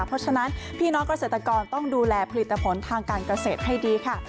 เพราะฉะนั้นพี่น้องเกษตรกรต้องดูแลผลิตผลทางการเกษตรให้ดีค่ะ